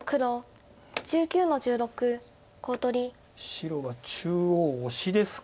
白は中央オシですか。